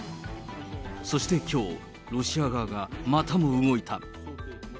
そしてきょう、ロシア側がまたも動いた。